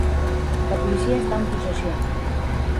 La policia està en possessió.